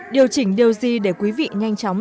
điều chỉnh điều gì để quý vị nhanh chóng